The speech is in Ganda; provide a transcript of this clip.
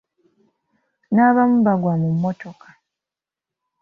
N’abamu bagwa mu mmotoka!